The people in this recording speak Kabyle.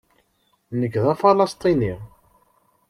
Nekk d Afalesṭini.